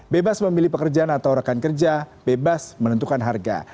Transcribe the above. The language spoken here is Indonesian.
bebas memilih pekerjaan atau rakan kerja bebas menentukan harga